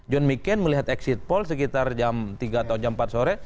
john mccain melihat exit poll sekitar jam tiga atau jam empat sore